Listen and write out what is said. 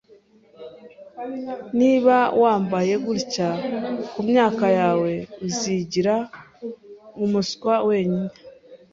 Niba wambaye gutya kumyaka yawe, uzigira umuswa wenyine.